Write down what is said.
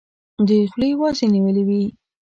دوی خولې وازي نیولي وي.